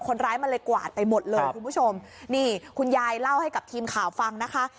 คนร้ายมันเลยกวาดไปหมดเลยคุณผู้ชมนี่คุณยายเล่าให้กับทีมข่าวฟังนะคะ